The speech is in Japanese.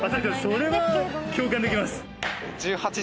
それは共感できます。